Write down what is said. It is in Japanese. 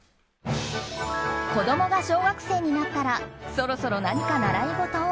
子供が小学生になったらそろそろ何か習い事を。